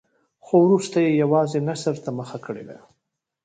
خو وروسته یې یوازې نثر ته مخه کړې ده.